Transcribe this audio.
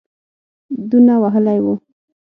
دونه وهلی وو.